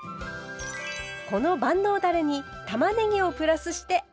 この万能だれにたまねぎをプラスしてアレンジ。